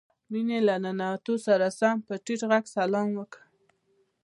مينې له ننوتو سره سم په ټيټ غږ سلام وکړ.